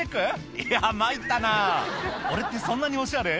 「いや参ったな俺ってそんなにおしゃれ？」